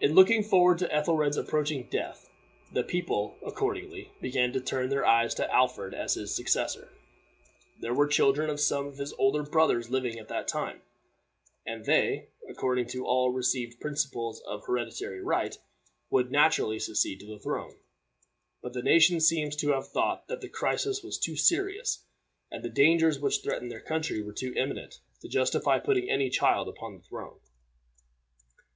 In looking forward to Ethelred's approaching death, the people, accordingly, began to turn their eyes to Alfred as his successor. There were children of some of his older brothers living at that time, and they, according to all received principles of hereditary right, would naturally succeed to the throne; but the nation seems to have thought that the crisis was too serious, and the dangers which threatened their country were too imminent, to justify putting any child upon the throne.